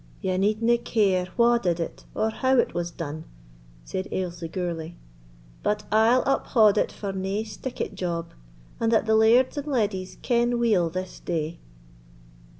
"Ye needna care wha did it, or how it was done," said Aislie Gourlay; "but I'll uphaud it for nae stickit job, and that the lairds and leddies ken weel this day."